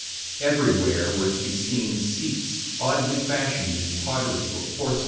Everywhere were to be seen seats oddly fashioned in pottery or porcelain.